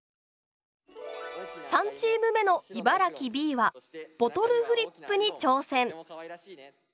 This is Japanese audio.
３チーム目の茨城Ｂはボトルフリップに挑戦。